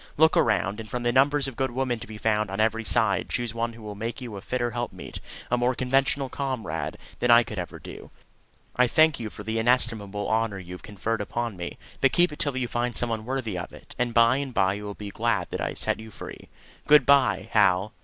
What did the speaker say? Look around, and from the numbers of good women to be found on every side choose one who will make you a fitter helpmeet, a more conventional comrade, than I could ever do. I thank you for the inestimable honour you have conferred upon me; but keep it till you find some one worthy of it, and by and by you will be glad that I have set you free. Good bye, Hal!